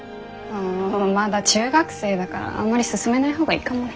まだ中学生だからあんまりすすめない方がいいかもね。